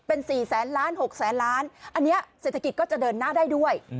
เป็น๔แสนล้าน๖แสนล้านอันนี้เศรษฐกิจก็จะเดินหน้าได้ด้วย